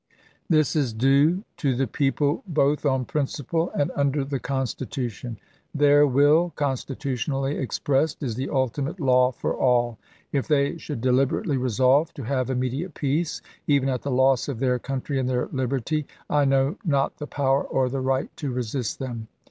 This is due to the people both on principle and under the Constitution. Their will, constitutionally expressed, is the ultimate law for all. If they should deliberately resolve to have immediate peace, even at the loss of their country and their liberty, I know not the power or the right to resist them.